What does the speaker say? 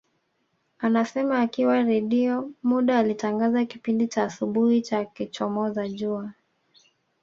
Anasema akiwa Redio muda alitangaza kipindi cha asubuhi cha kuchomoza jua